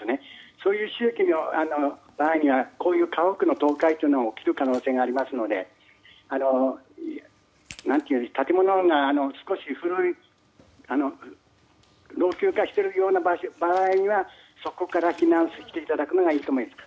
そういう周期の場合にはこういう家屋の倒壊は起きる可能性がありますので建物が少し老朽化している場合はそこから避難していただくのがいいと思います。